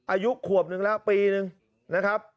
อายุขวบหนึ่งละปีหนึ่งนะครับ